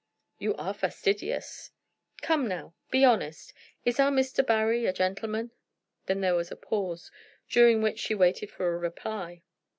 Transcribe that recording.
"You are fastidious." "Come now; be honest; is our Mr. Barry a gentleman?" Then there was a pause, during which she waited for a reply.